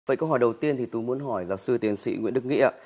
vậy câu hỏi đầu tiên thì tôi muốn hỏi giáo sư tiến sĩ nguyễn đức nghĩa ạ